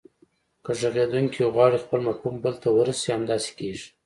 که غږیدونکی غواړي خپل مفهوم بل ته ورسوي همداسې کیږي